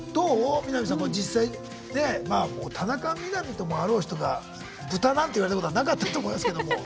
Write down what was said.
みな実さんこれ実際ねもう田中みな実ともあろう人がブタなんて言われたことはなかったと思いますけども。